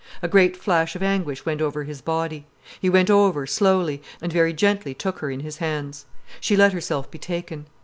A great flash of anguish went over his body. He went over, slowly, and very gently took her in his hands. She let herself be taken.